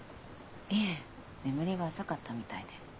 いえ眠りが浅かったみたいで。